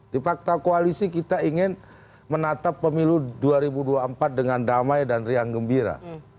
di fakta koalisi kita ingin menatap pemilu dua ribu dua puluh empat dengan damai dan riang gembira